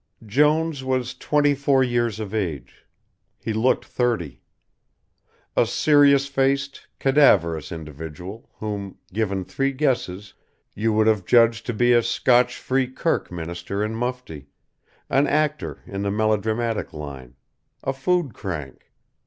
Jones was twenty four years of age. He looked thirty. A serious faced, cadaverous individual, whom, given three guesses you would have judged to be a Scotch free kirk minister in mufti; an actor in the melodramatic line; a food crank.